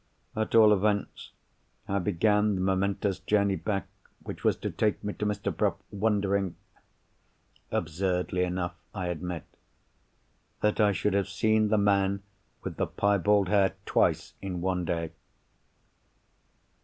At all events, I began the momentous journey back which was to take me to Mr. Bruff, wondering—absurdly enough, I admit—that I should have seen the man with the piebald hair twice in one day!